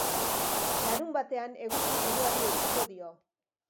Larunbatean eguzki giroari eutsiko dio.